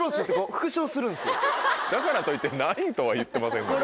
だからといって何位とは言ってません。